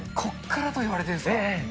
ここからといわれてるんですええ、